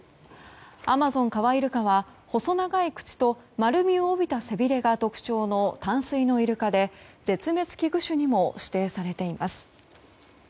アマゾンカワイルカは細長い口と丸みを帯びた背びれが特徴の淡水のイルカで、絶滅危惧種にも指定されています。